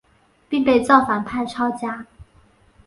并被造反派抄家。